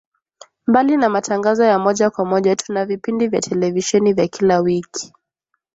Mbali na matangazo ya moja kwa moja tuna vipindi vya televisheni vya kila wiki